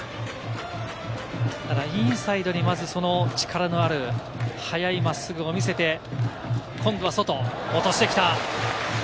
ただ、インサイドに、まず力のある速い真っすぐを見せて、今度は外、落としてきた。